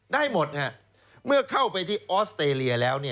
ได้หมดเมื่อเข้าไปที่ออสเตรเลียแล้ว